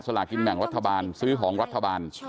ลากินแบ่งรัฐบาลซื้อของรัฐบาล